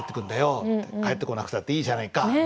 帰ってこなくたっていいじゃないか」みたいな